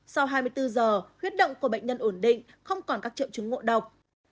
sau hai mươi bốn giờ huyết động của bệnh nhân ổn định không còn các triệu chứng ngộ độc